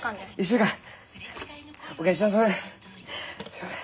１週間で。